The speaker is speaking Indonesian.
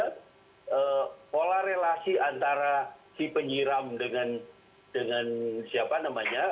karena pola relasi antara si penyiram dengan siapa namanya